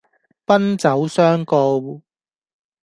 奔走相告